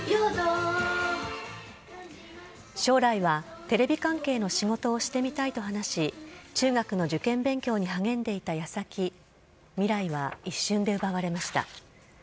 将来はテレビ関係の仕事をしてみたいと話し、中学の受験勉強に励んでいたやさき、未来は一瞬で奪われました。